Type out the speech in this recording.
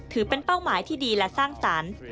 ถือเป็นเป้าหมายที่ดีและสร้างสรรค์